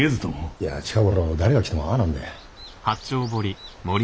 いや近ごろ誰が来てもああなんで。